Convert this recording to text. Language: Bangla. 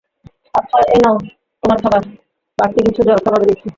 আচ্ছা, এই নাও তোমার খাবার, বাড়তি কিছু জলখাবারও দিয়েছি।